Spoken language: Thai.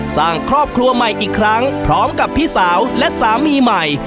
สร้างครอบครัวใหม่อีกครั้งพร้อมกับพี่สาวและสามีใหม่